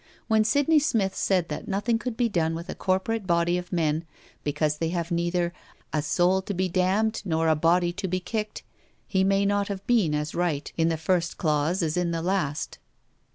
When Sydney Smith said that nothing could be done with a corporate body of men, because they have neither a 'soul to be damned nor a body to be kicked,' he may not have been as right in the first clause as in the last.